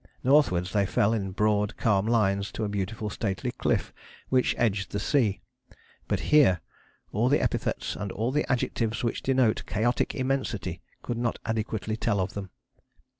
Northwards they fell in broad calm lines to a beautiful stately cliff which edged the sea. But here all the epithets and all the adjectives which denote chaotic immensity could not adequately tell of them.